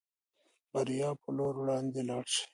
د بریا په لور وړاندې لاړ شئ.